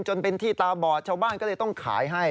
จนเป็นที่ตาบอดชาวบ้านก็เลยต้องขายให้